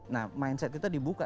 nah mindset kita dibuka